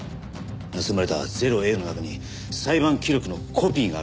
盗まれた０−Ａの中に裁判記録のコピーがあるはずです。